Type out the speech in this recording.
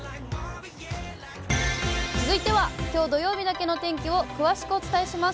続いては、きょう土曜日だけの天気を詳しくお伝えします。